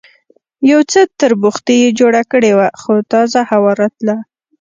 یو څه تربوختي یې جوړه کړې وه، خو تازه هوا راتلله.